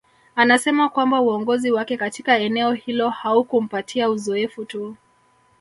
Anasema kwamba uongozi wake katika eneo hilo haukumpatia uzoefu tu